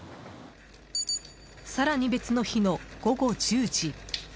更に別の日の午後１０時。